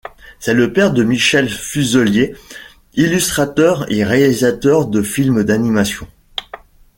C'est le père de Michel Fuzellier, illustrateur et réalisateur de films d'animation.